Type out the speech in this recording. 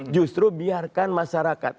justru biarkan masyarakat